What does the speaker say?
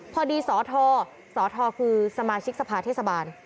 พอดีสทสทคือสมาชิกสภาเทศบาล